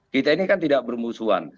kita ini kan tidak bermusuhan